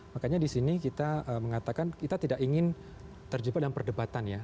makanya di sini kita mengatakan kita tidak ingin terjebak dalam perdebatan ya